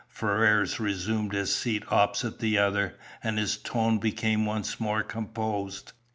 Ferrars resumed his seat opposite the other, and his tone became once more composed.